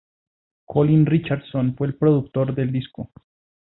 Colin Richardson fue el productor del disco.